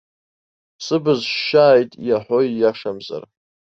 Сыбз шьшьааит иаҳәо ииашамзар!